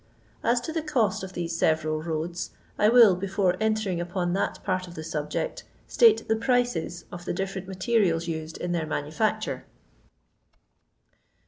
As to the cost of these several roads, I will, before entering upon that part of the subject, state the prices of the diffioent materials used in their manufitcture.